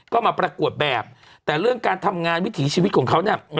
ก็มาประกวดแบบแต่เรื่องการทำงานวิถีชีวิตของเขาเนี่ย